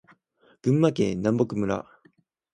群馬県南牧村